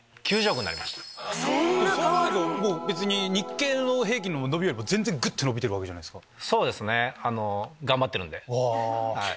そうなると日経の平均の伸びよりも全然ぐって伸びてるわけじゃないですか。